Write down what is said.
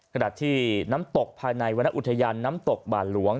ขณะที่น้ำตกภายในวรรณอุทยานน้ำตกบ่านหลวง